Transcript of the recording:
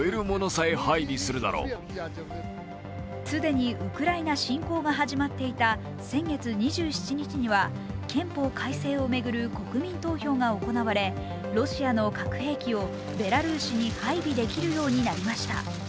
既にウクライナ侵攻が始まっていた先月２７日には憲法改正を巡る国民投票が行われ、ロシアの核兵器をベラルーシに配備できるようになりました。